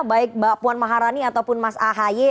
baik mbak puan maharani ataupun mas ahy